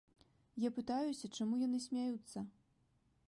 Я пытаюся, чаму яны смяюцца.